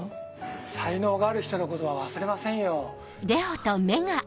才能がある人のことは忘れませんよ